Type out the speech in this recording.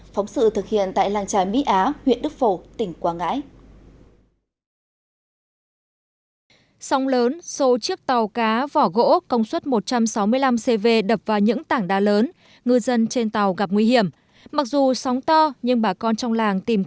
phóng sự thực hiện tại làng trài mỹ á huyện đức phổ tỉnh quảng ngãi